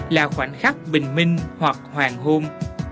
là khoảnh khắc bình minh hoặc hoàng hôn